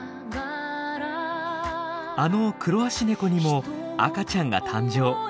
あのクロアシネコにも赤ちゃんが誕生。